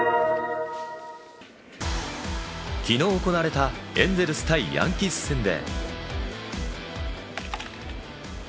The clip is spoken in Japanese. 昨日行われたエンゼルス対ヤンキース戦で。